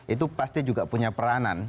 itu pasti juga punya peranan